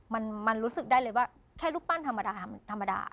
มันรู้สึกได้เลยว่าแค่รูปปั้นธรรมดา